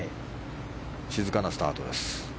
静かなスタートです。